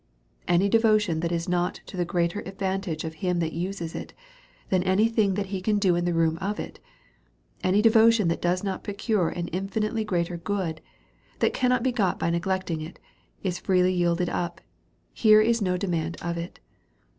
Any devotion that is not to the greater advantage of him that uses it, than any thing that he can do in the room of it ; any devotion that does not procure an infinitely greater good, than can be got by neglecting it, is freely yielded up ; here is no demand of it.